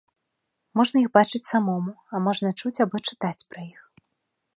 Можна іх бачыць самому, а можна чуць або чытаць пра іх.